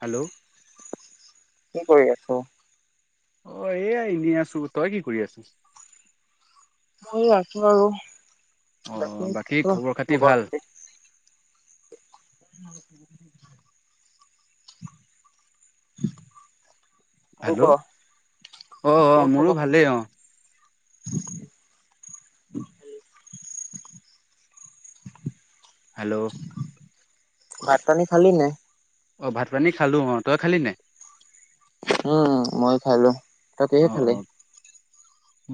Hello. কি কৰি আছ? অ এ এনে আছো, তই কি কৰি আছ? হ আছো আৰু। আহ বাকী খবৰ খাতি ভাল? উম। [inaudible] তোৰ ক হেল্ল', অ অ তোৰ মোৰো খবৰ খাতি ভালেই অ। [inaudible] হেল্ল'। ভাত পানী খালি নে নাই? অ ভাত পানী খালো অ তই খালি নে? উম মই খালো। তই কিহে অ অ খালি?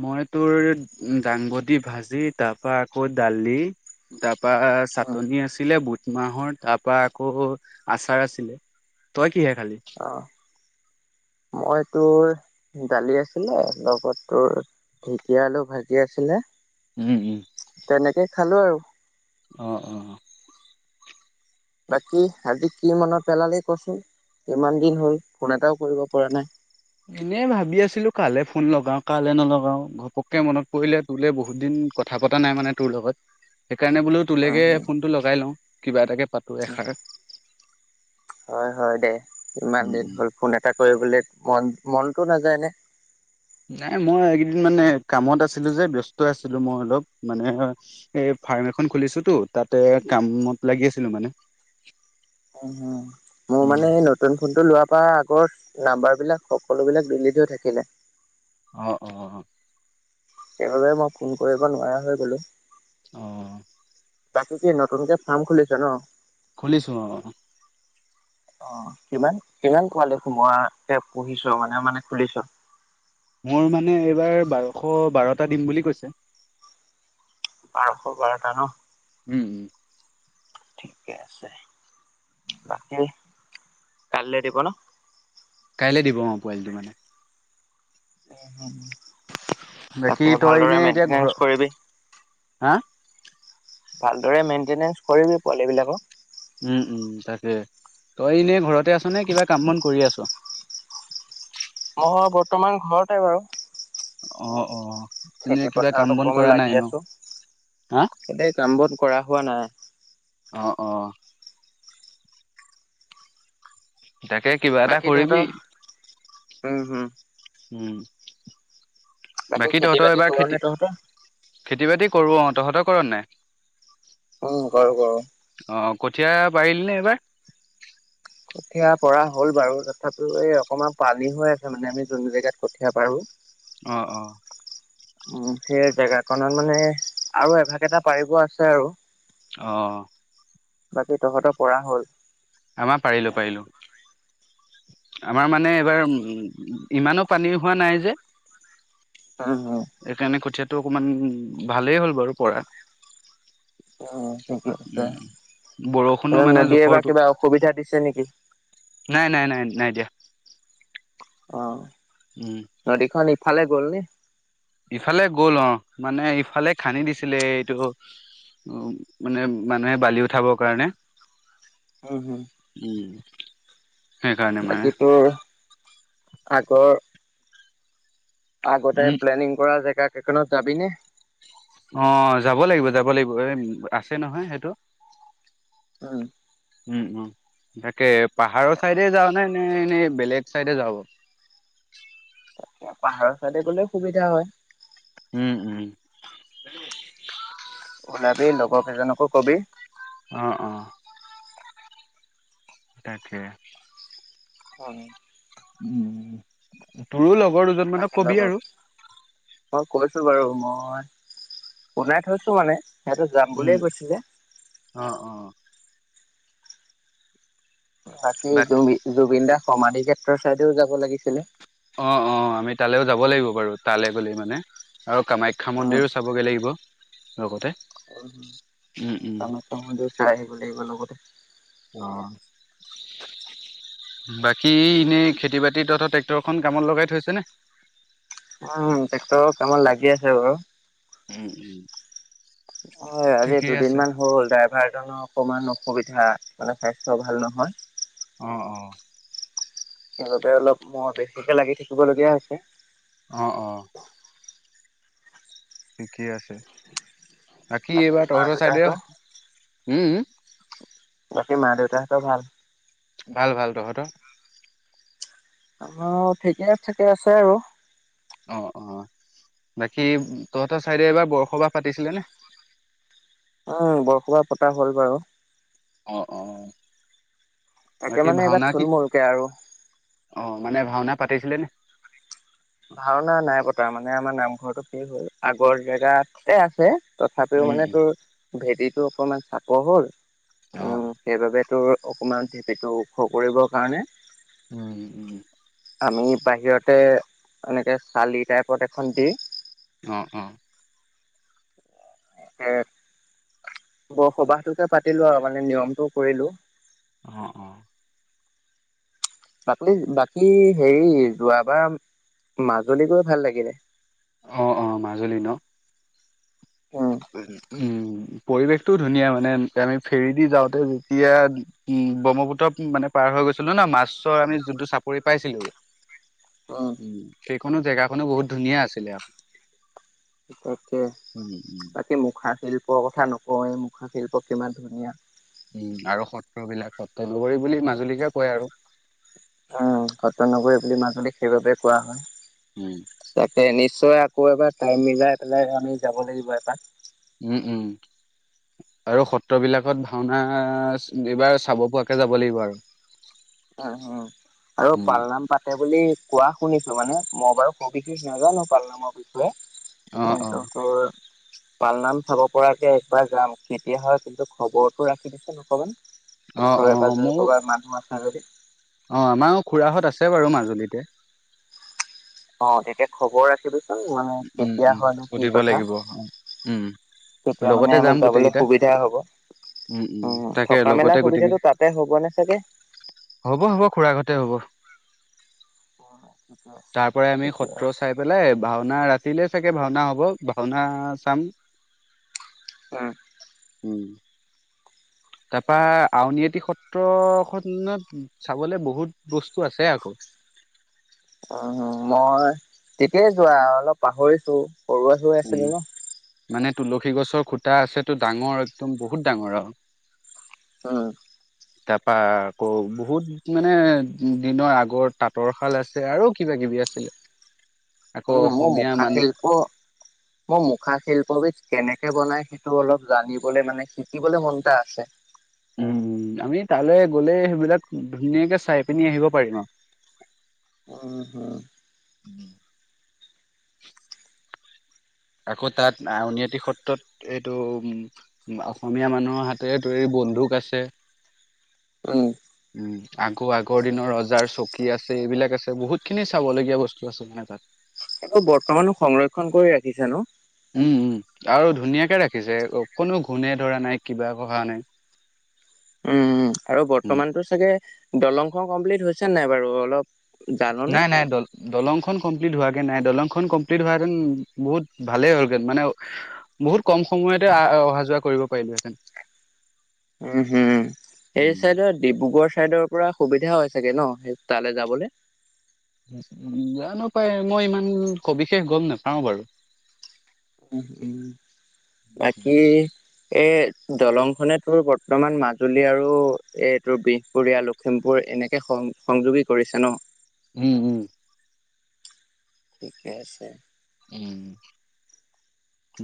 মই তোৰ দাংবদি ভাজি তাৰ পৰা আকৌ দালি ত বা উম চাটনি আছিলে বুত ট মাহৰ তাৰ পৰা আকৌ আচাৰ আছিলে তই কিহে খালি? অ মই তোৰ দালি আছিলে লগত তোৰ ঢেকীয়া আলু ভাজি আছিলে। উম উম। তেনেকে খালো আৰু। অহ অ। বাকী আজিক কি মনত পেলালি কচোন কিমান দিন হল ফোন এটাও কৰিব পৰা নাই। এনে ভাবি আছিলো কালে ফোন লগাও কালে নলগাও ঘপককে মনত পৰিলে তোলে বহুত দিন কথা পতা নাই মানে তোৰ লগত। সেইকাৰণে বোলো তোলৈকে ফোনটো লগাই লওঁ। কিবা এটাকে পাতো এষাৰ হয় হয় দে ইমান উম দিন উম। হ'ল ফোন এটা কৰিবলে মন মনটো নাযায় নে? নাই মই এইকেইদিন মানে কামত আছিলো যে ব্যস্ত আছিলো মই অলপ মানে এই ফাৰ্ম এখন খুলিছোতো তাতে কামত লাগি আছিলো মানে। উহ মোৰ উম। মানে নতুন ফোনটো লোৱাৰ পৰা আগৰ নাম্বাৰবিলাক সকলোবিলাক ডিলিট হৈ থাকিলে। অ অ অ অ। সেইবাবে মই ফোন কৰিব নোৱাৰা হৈ গলো। অ। বাকী কি নতুনকে ফাৰ্ম খুলিছ ন? খুলিছো অ। অ কিমান কিমান পোৱালি সোমোৱা এ পুহিছো মানে মানে খুলিছ? মোৰ মানে এইবাৰ বাৰশ বাৰটা দিম বুলি কৈছে। বাৰশ বাৰটা ন। উম উম। ঠিকে আছে। বাকী কালিলৈ দিব ন? কাইলৈ দিব অ পোৱালিটো মানে উম হম। বাকী তাকে তই এনে ভালদৰে এতিয়া ঘৰ মেইনটেনেঞ্চ কৰিবি। হা। ভালদৰে মেইনটেনেঞ্চ কৰিবি পোৱালি বিলাকক। উম উম তাকে তই এনেই। ঘৰতে আছো নে কিবা কাম বন কৰি আছ। [unintelligible] মই বৰ্তমান ঘৰতে বাৰু অঁ অঁ খেতি পথাৰত অকমান লাগি আছো হা? ।এনেই কাম বন কৰা হোৱা নাই। অহ অহ। তাকে কিবা এটা বাকী তহঁতৰ কৰিবি। উম হম। উম। বাকী খেতি তহঁতৰ বাতি এবাৰ কৰ নে খেতি তহঁতৰ? খেতি বাতি কৰো অ, তহঁতক কৰ নাই। উ কৰো কৰো। অ কঠীয়া পাৰিলি নে এইবাৰ? কঠীয়া পৰা হ'ল বাৰু তথাপি এই অকমান পানী হৈ আছে মানে আমি যোন জেগাত কঠীয়া পাৰো। অঁ অঁ। উ সেই জেগাখনত মানে আৰু এভাগ এটা পাৰিব আছে আৰু। অ। বাকী তহঁতৰ পৰা হ'ল। আমাৰ পাৰিলো পাৰিলো। আমাৰ মানে এইবাৰ উ ইমানো পানী হোৱা নাই যে উম উম এইকাৰণে কঠিয়া টো অকমান ভালেই হ'ল বাৰু পৰাত। অ উ বৰষুণো মানে নদীয়ে বা জোখৰটো কিবা অসুবিধা দিছে নেকি? নাই নাই নাই নাই দিয়া অ উম ফালে গ'ল নে ইফালে গ'ল অ মানে ইফালে খান্দি দিছিলে এইটো উ মানে মানুহে বালি উঠাবৰ কাৰণে উম হো উম সেইকাৰণে মানে আকৌ আগতে উম প্লেনিং কৰা জেগাক সেইখনত যাবি নে অ যাব লাগিব যাব লাগিব এ আছে নহয় সেইটো। উ উম উম তাকে পাহাৰৰ চাইডে যাওঁ নে নে এনেই বেলেগ চাইডে যাওঁ ত পাহাৰৰ চাইডে গ'লেও সুবিধা হয় উম উম ওলাবি লগৰ কেইজনকো কবি অ', অ', তাকে হয় উম তোৰো লগ বৰ দুজনমানাৰ বাকীৰ কবি লগত আৰু মই কৈছো বাৰু মই শুনাই থৈছো মানে সিহঁতে যাম উম। বুলিয়ে কৈছিলে অ', অ', বাকি বাক জুবিন জুবিন দা সমাধি ক্ষেত্ৰৰ ছাইডেও যাব লাগিছিলে অ অ আমি তালৈও যাব লাগিব বাৰু তালৈ গলে মানে আৰু কামাখ্যা মন্দিৰো চাবগৈ লাগিব লগতে উম কামাখ্যা মন্দিৰ চাই আহিবা [unintelligible] আহিবাৰ লগতে [unintelligible] অ বাকী এনেই খেতি বাতি তথা ট্ৰেক্টৰ খন কামত লগাই থৈছেনে উ ট্ৰেক্টৰ কামত লাগি আছে বাৰু উম অ আজি ঠিকেই দুদিন আছে মান হ'ল ড্ৰাইভাৰ অকমান অসুবিধা মানে স্বাস্থ্য ভাল নহয় অ অ সেইবাবে অলপ মহ বেছিকে লাগি থাকিব লগীয়া হৈছে অ অ থিকেই আছে বাকী এইবাৰ মা তহতৰ চাইডে দেউতাহঁতৰ [unintelligible] উম বাকী মা দেউতাহঁতৰ ভাল ভাল ভাল তহ ত আম ঠিকে থাকে আছে আৰু [unintelligible] অ অ বাকী তহঁতৰ চাইডে এইবাৰ বৰসবাহ পাতিছিলে নে উম বৰসবাৰ পতা হ'ল বাৰু অ অ তাকে বাকী মানে এইবাৰ ভাওনা কি থুলমূলকে আৰু অ মানে ভাওনা পাতিছিলেনে ভাওনা নাই পতা মানে আমাৰ নামঘৰটো কি হ'ল আগৰ জেগাতে আছে [unintelligible] তথাপিও উম, মানে উম, তোৰ ভেটিটো অকমান চাপৰ হ'ল । অ সেইবাবে তো অকণমান ভেটিটো ওখ কৰিব কাৰণে, উম, উম, আমি বাহিৰতে এনেকে চালি টাইপত এখন দি, অৱ অৱ [unintelligible] বসবাস টো কে পাতিলো আৰু মানে নিয়মটো কৰিলো। অৱ অৱ বাকী বাকী হেৰি যোৱাবাৰ মাজুলী গৈ ভাল লাগিলে। অৱ অৱ মাজুলী ন। উম উম পৰিৱেশটো ধুনীয়া মানে, আমি ফেৰ দি যাওঁতে যেতিয়া উম ব্ৰহ্মপুত্ৰ মানে পাৰ হৈ গৈছিলো ন মাছৰ আমি যোনটো চাপৰি পাইছিলো, উম ঠিক কোনো জেগা কনো বহুত ধুনীয়া আছিলে আক তাকে তাকে মোক হাতশিল্প কথা নকওঁৱেই, মুখাশিল্প কিমান ধুনীয়া। উম আৰু সত্ৰ বিলাক সত্ৰ লৈ বুলি মাজুলীকে কয় আৰু । উম সত্ৰনগৰী বুলি মাজুলীক সেইবাবে কোৱা হয়। উম হে নিশ্চয় আকৌ এবাৰ টাইম মিলাই পেলাই আমি যাব লাগিব এপাক । উম উম আৰু সত্ৰ বিলাকত ভাওনা এইবাৰ চাব পোৱাকে যাব লাগিব আৰু উম উম আৰু উম, পালনাম পাতে বুলি, কোৱা শুনিছো মানে মই বাৰু সবিশেষ নাজানো পাল নামৰ বিষয়ে। অ অ [unintelligible] পালনাম চাব পৰাকে একবাৰ যাম, কেতিয়া হয় কিন্তু খবৰতটো ৰাখি দিছ অকমান। অ ওচৰে অ পাজৰে মোৰ ক'ৰবাত মানুহ, [unintelligible] অ আমাৰো খুৰাহঁত আছে বাৰু মাজুলীতে । অৱ তেতিয়া খৱৰ ৰাখিবি উম উম সুধিব লাগিব, উম তেতিয়া মানে লগতে আমি যাম যাবলৈ গোটেইকেইটা সুবিধা হ'ব। উম উম তাকে থকা মেলা লগতে গোটেইকেই, সুবিধাটো তাতে হ'বনে চাগে? হ'ব হ'ব খুৰা ঘৰতে হ'ব। [unintelligible] তাৰ পৰা আমি তেতিয়া সত্ৰ চাই পেলাই ভাওনা ৰা টি লে চাগে ভাওনা হ'ব ভাওনা চাম । উম উম তাৰপা আউনীআটি সত্ৰখনত চাবলে বহুত বস্তু আছে আক । উম মই তেতিয়াই যোৱা অলপ পাহৰিছো । সৰু হৈ উম, আছিলি ন । মানে, তুলসী গছৰ খুটা আছেটো, ডাঙৰ, একদম বহুত ডাঙৰ আও! অ'! তাৰপা, ‌ আকৌ, বহুত মানে, দিনৰ আগৰ তাঁতৰশাল আছে আৰু কিবা কিবি আছিলে। আকৌ উম! মোৰ অসমীয়া মুখা মানুহ শিল্প, মোৰ মুখা শিল্পবিধ কেনেকে কেনেকে বনাই সেইটো অলপ জানিবলৈ মানে, শিকিবলৈ মন এটা আছে। উম! আমি, তালৈ গ'লে সেইবিলাক ধুনীয়াকে চাই পিনি আহিব পাৰিম আও। [unintelligible] [unintelligible] আকৌ তাত, আউনীআটী সত্ৰত এইটো, উম! অসমীয়া মানুহৰ হাতেৰে তৈয়াৰী বন্দুক আছে। উম! আগৰ আগৰ দিনৰ ৰজাৰ চকী আছে। এইবিলাক আছে, বহুত খিনি চাব লগগীয়া বস্তু আছে মানে তাত। এইটো বৰ্তমানো সংৰক্ষণ কৰি ৰাখিছে ন'? উম! উম! আৰু ধুনীয়াকে ৰাখিছ। কোনো ঘূণে ধৰা নাই, কিবা হোৱা নাই। উম! আৰু উম, বৰ্তমানতো চাগে দলং খন কমপ্লিট হৈছে নাই বাৰু অলপ জাননে নাই, নাই। দল, দলংখন কমপ্লিট হোৱা হোৱাগে নাই। দলংখন কমপ্লিট হোৱা হেঁতেন বহুত ভালেই হ'লহেন। মানে, বহুত কম সময়তে অহা যোৱা কৰিব পাৰিলোহেঁতেন। উম! হু! এই উম, চাইডৰ, ডিব্ৰুগড় চাইডৰ পৰা সুবিধা হয় চাগে ন'! সেই তালৈ যাবলে। জানোঁ পাই! মই ইমান সবিশেষ গম নাপাওঁ বাৰু। উম! উম! বাকী এই দলংখনে, তোৰ বৰ্তমান, মাজুলী আৰু এই তোৰ বিহপুৰীয়া, লখিমপুৰ এনেকে সং সংযোগী কৰিছে ন'। উম! উম! ঠিকে আছে। উম!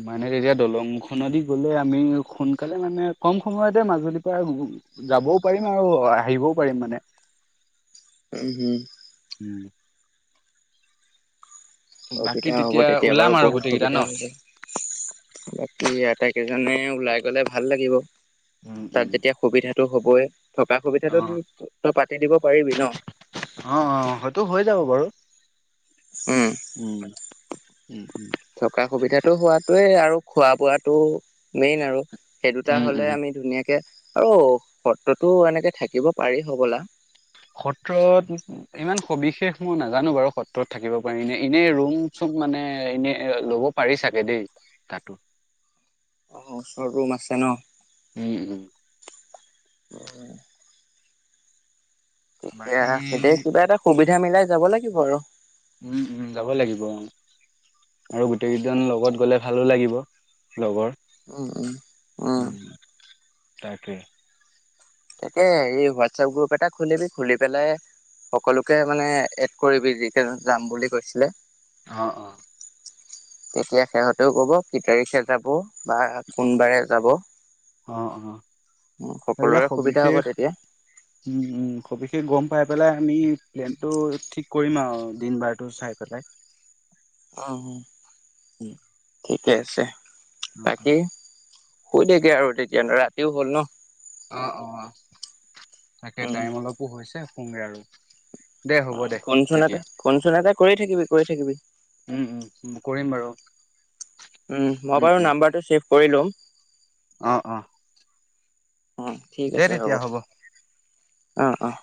মানে, তেতিয়া দলংখনদি গ'লে আমি সোনকালে মানে, কম সময়তে মাজুলীৰ পৰা যাবও পাৰিম আৰু আহিবও পাৰিম মানে। উম! হু! উম! বাকী সুবিধা হ'ব তেতিয়া ওলাম বাৰু আৰু বহুত গোটেই কেইটা ন? সুবিধা হ'ব। বাকী আটাইকেইজনে ওলাই গ'লে ভাল লাগিব। উম, তাত উম, যেতিয়া সুবিধা টো হ'বই। থকা সুবিধাটো অ', তই পাতি দিব পাৰিবি ন'? অ', হয়তো হৈ যাব বাৰু। উম! উম, উম, থকা সুবিধাতটো হোৱাত তইয়ে আৰু খোৱা বোৱাটো মেইন আৰু। সেই দুটা উম, উম। হ'লে আমি ধুনীয়াকে আৰু সত্ৰতো এনেকে থাকিব পাৰি হ'বলা । সত্ৰত ইমান সবিশেষ মই নাজানোঁ বাৰু সত্ৰত থাকিব পাৰি। এনে, এনেই ৰুম চুম মানে, এনে ল'ব পাৰি চাগে দেই তাতো। অ'! ওচৰত ৰুম আছে ন'? উম উম উ বাকী এয়া এতিয়া কিবা এটা সুবিধা এতিয়া মিলাই যাব লাগিব আৰু উম উম যাব লাগিব। আৰু গোটেই কেইজন লগত গ'লে। ভালো লাগিব। লগৰ। উম উ উ। উম, তাকে। তাকে হে হোৱাটছপ গ্ৰুপ এটা খুলিবি, খুলি পেলাই সকলোকে মানে এড কৰিবি যিকেই যাম বুলি কৈছিলে। অ অ। তেতিয়া সিহঁতেও কব কি তাৰিখে যাব। বা কোনবাৰে যাব অ অ। উম সেইবিলাক সকলোৰে সুবিধা হ'ব সবিশেষ তেতিয়া উম উ সবিশেষ গম। খাই পেলাই আমি প্লেনটো ঠিক কৰিম আৰু দিন বাৰটো চাই পেলাই। অ উম। ঠিকে আছে অ', বাকি। শুই থাক আৰু তেতিয়া ন ৰাতিও হ'ল ন। অ অ তাকে উম টাইম অলপো হৈছে। সুঙগে আৰু দে অ হ'ব দে। ফোন চোনতে, তেতিয়া ফোন চোনতে কৰি থাকিবি, কৰি থাকিবি। উম, উম, কৰিম বাৰু উম মোবাইলৰ নাম্বাৰ টো ছেভ কৰিলম আহ অ অ ঠিক দে আছে হ'ব। তেতিয়া অঁ অঁ।